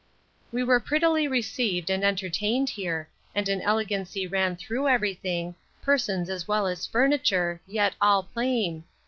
We were prettily received and entertained here, and an elegancy ran through every thing, persons as well as furniture, yet all plain.